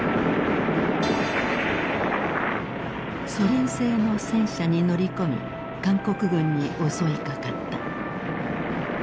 ソ連製の戦車に乗り込み韓国軍に襲いかかった。